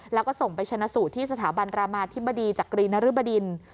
แล้วก็ส่งไปชนะสูตรที่สถาบันรามาธิบดีจักรีนรึบดิน